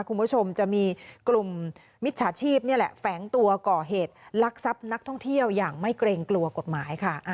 คุณผู้ชมจะมีกลุ่มมิจฉาชีพนี่แหละแฝงตัวก่อเหตุลักษัพนักท่องเที่ยวอย่างไม่เกรงกลัวกฎหมายค่ะ